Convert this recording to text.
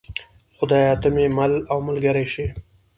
خدایه ته مې مل او ملګری شې.